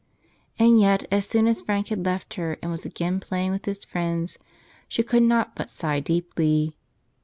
And yet, as soon as Frank had left her and was again playing with his friends, she could not but sigh deeply.